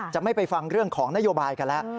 จะไม่ไปฟังเรื่องของนโยบายกันแล้ว